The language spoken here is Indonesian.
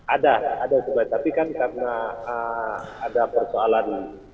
ada ada tapi kan karena ada persoalan